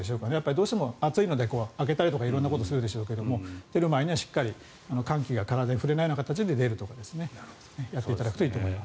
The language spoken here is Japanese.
どうしても暑いので開けたりとか色んなことをするでしょうけど出る前にはしっかり寒気が体に触れない形で出るとかやっていただくといいと思います。